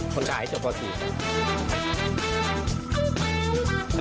คนขายเจ้าพอสี่ครับ